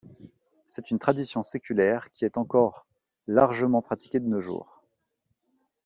C'est une tradition séculaire qui est encore largement pratiquée de nos jours.